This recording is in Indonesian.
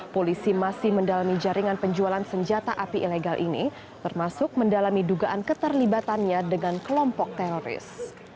polisi masih mendalami jaringan penjualan senjata api ilegal ini termasuk mendalami dugaan keterlibatannya dengan kelompok teroris